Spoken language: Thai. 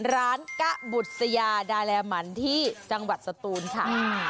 ร้านกะบุษยาดาแลมันที่จังหวัดสตูนค่ะ